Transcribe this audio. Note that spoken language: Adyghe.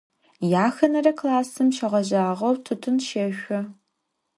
Yaxenere klassım şeğejağeu tutın sêşso.